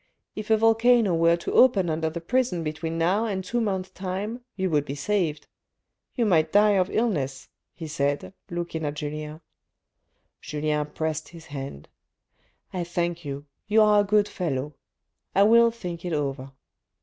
If a volcano were to open under the prison between now and two months' time you would be saved. You might die of illness," he said, looking at Julien. Julien pressed his hand —" I thank you, you are a good fellow. I will think it over."